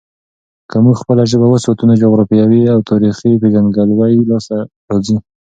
که موږ خپله ژبه وساتو، نو جغرافیايي او تاريخي پیژندګلوي لاسته راځي.